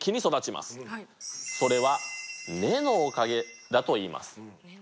それは根のおかげだといいます。